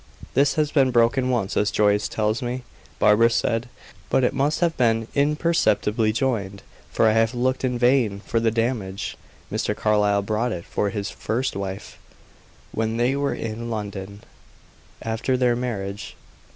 "This has been broken once, as Joyce tells me," Barbara said. "But it must have been imperceptibly joined, for I have looked in vain for the damage. Mr. Carlyle bought it for his first wife, when they were in London, after their marriage.